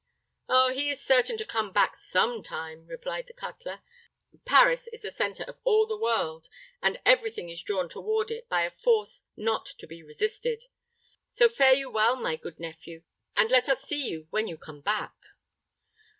"Oh, he is certain to come back some time," replied the cutler. "Paris is the centre of all the world, and every thing is drawn toward it by a force not to be resisted. So fare you well, my good nephew, and let us see you when you come back."